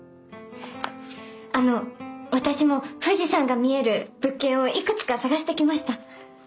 あの私も富士山が見える物件をいくつか探してきました。